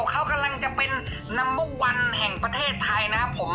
เขากำลังจะเป็นนัมเบอร์วันแห่งประเทศไทยนะครับผม